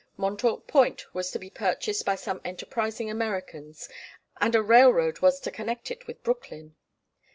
Montauk Point was to be purchased by some enterprising Americans, and a railroad was to connect it with Brooklyn.